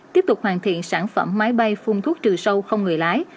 tiếp tục hoàn thiện sản phẩm máy bay phun thuốc trừ sâu không người lái